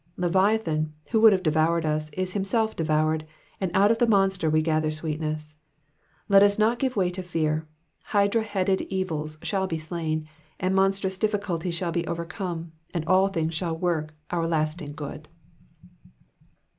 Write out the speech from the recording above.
Leviathan, who would have devoured us, is himself devoured, and out of the monster we gather sweetness. Let us not give way to fear ; hydra headed evils shall be slain, and monstrous difficulties shall be overcome, and all things shall work our lasting good.